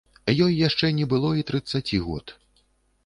Ёй яшчэ не было і трыццаці год.